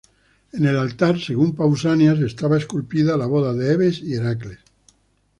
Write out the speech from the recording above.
En el altar, según Pausanias, estaba esculpida la boda de Hebe y Heracles.